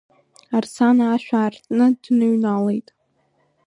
Арсана ашә аартны дныҩналеит.